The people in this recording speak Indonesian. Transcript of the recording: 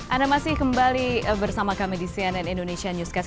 anda masih kembali bersama kami di cnn indonesia newscast